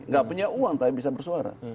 gak punya uang tapi bisa bersuara